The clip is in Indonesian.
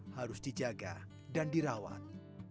harus dijaga dan dirawat